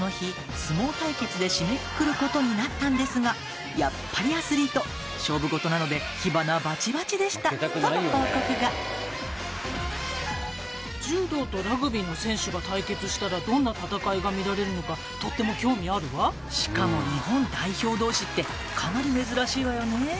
相撲対決で締めくくることになったんですがやっぱりアスリート柔道とラグビーの選手が対決したらどんな戦いが見られるのかとっても興味あるわしかも日本代表同士ってかなり珍しいわよね